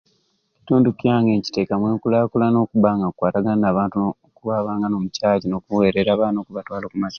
Ekitundu kyange nkitekamu enkulakulanan okuba nga nkukwatagana n'abantu no kwabanga no mu church n'okuwerera abaana okubatwala oku masomero